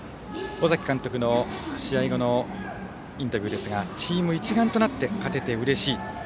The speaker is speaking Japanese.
尾崎監督の試合後のインタビューですがチーム一丸となって勝ててうれしい。